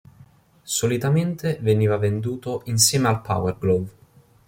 Solitamente veniva venduto insieme al Power Glove.